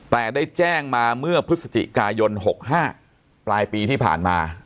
แต่ได้แจ้งมาเมื่อพฤศจิกายน๖๕ปลายปีที่ผ่านมา